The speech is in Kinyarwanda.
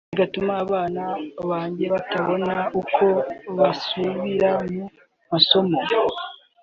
bigatuma abana banjye batabona uko basubira mu masomo